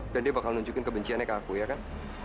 dan dia bakal nunjukin kebenciannya ke aku ya kan